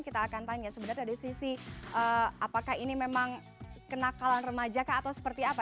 kita akan tanya sebenarnya dari sisi apakah ini memang kenakalan remaja atau seperti apa